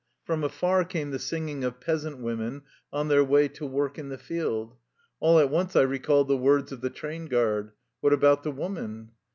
From afar came the singing of peasant women on their way to work in the field. All at once I recalled the words of the train guard. What about the woman?